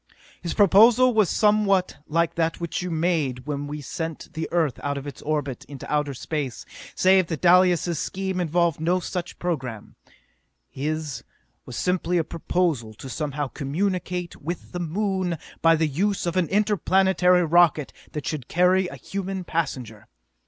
"His proposal was somewhat like that which you made when we sent the Earth out of its orbit into outer space, save that Dalis' scheme involved no such program. His was simply a proposal to somehow communicate with the Moon by the use of an interplanetary rocket that should carry a human passenger.